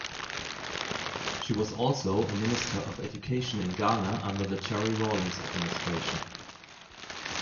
She was also a Minister of Education in Ghana under the Jerry Rawlings administration.